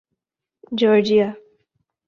Georgia